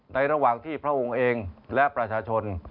ระหว่างที่พระองค์เองและประชาชน